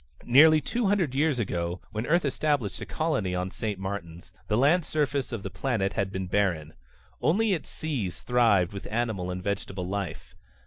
Nearly two hundred years ago, when Earth established a colony on St. Martin's, the land surface of the planet had been barren. Only its seas thrived with animal and vegetable life.